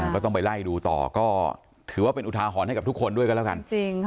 ก็ต้องไปไล่ดูต่อก็ถือว่าเป็นอุทาหรณ์ให้กับทุกคนด้วยกันแล้วกัน